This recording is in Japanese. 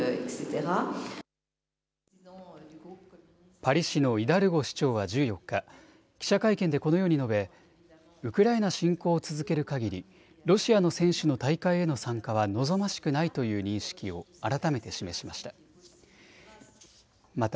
パリ市のイダルゴ市長は１４日、記者会見でこのように述べウクライナ侵攻を続けるかぎりロシアの選手の大会への参加は望ましくないという認識を改めて示しました。